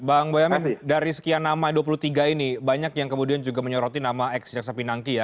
bang boyamin dari sekian nama dua puluh tiga ini banyak yang kemudian juga menyoroti nama ex jaksa pinangki ya